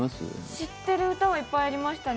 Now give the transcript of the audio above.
知ってる歌はいっぱいありましたね。